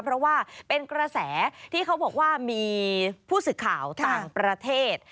เพราะว่าเป็นกระแสที่เขาบอกว่ามีผู้สื่อข่าวต่างประเทศ